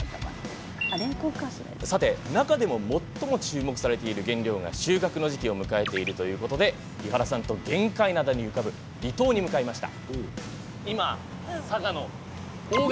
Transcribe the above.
中でも最も注目されている原料が収穫の時期を迎えているということで、玄界灘に浮かぶ離島に向かいました。